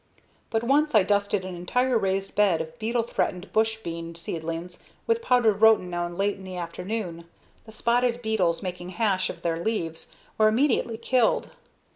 But once I dusted an entire raised bed of beetle threatened bush bean seedlings with powdered rotenone late in the afternoon. The spotted beetles making hash of their leaves were immediately killed.